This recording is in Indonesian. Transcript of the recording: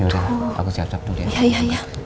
yaudah aku siap siap dulu ya